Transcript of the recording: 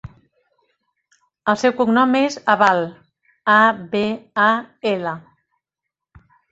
El seu cognom és Abal: a, be, a, ela.